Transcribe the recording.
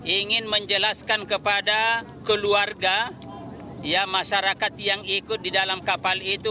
ingin menjelaskan kepada keluarga masyarakat yang ikut di dalam kapal itu